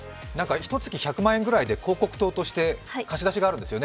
ひとつき１００万円ぐらいで広告塔で貸し出しがあるんですよね。